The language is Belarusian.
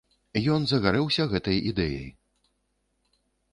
Ён загарэўся гэтай ідэяй.